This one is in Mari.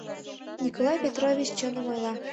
— Николай Петрович чыным ойла.